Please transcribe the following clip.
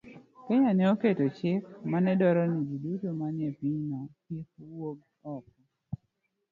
Kenya ne oketo chik mane dwaro ni ji duto manie pinyno kik wuog oko,